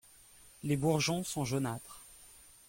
Les bourgeons sont jaunâtres.